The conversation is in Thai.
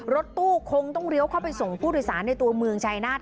รถตู้คงต้องเลี้ยวเข้าไปส่งผู้โดยสารในตัวเมืองชายนาฏ